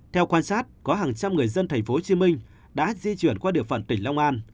theo quan sát có hàng trăm người dân tp hcm đã di chuyển qua địa phận tỉnh long an